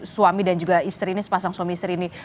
suami dan juga istri ini sepasang suami istri ini